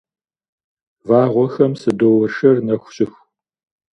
Вагъуэхэм садоуэршэр нэху щыху.